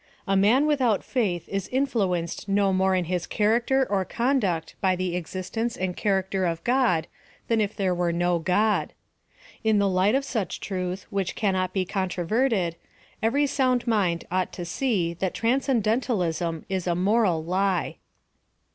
A man without faith is influenced no more in his character or conduct by the existence and character of God than if there were no God. In the light of such truth, which cannot be controverted, every sound mind ought to see that transcendentalism is a moral lie.